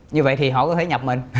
như vậy thì họ có thể nhập mình